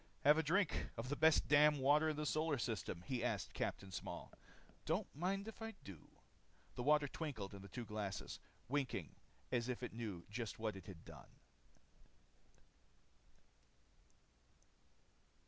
"Have a drink of the best damn water in the solar system?" He asked Capt. Small. "Don't mind if I do." The water twinkled in the two glasses, winking as if it knew just what it had done.